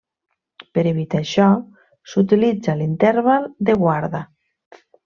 Per evitar això, s'utilitza l'interval de guarda.